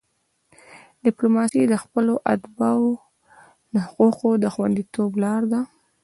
ډیپلوماسي د خپلو اتباعو د حقوقو د خوندیتوب لار ده.